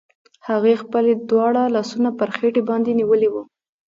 هغې خپل دواړه لاسونه پر خېټې باندې نيولي وو.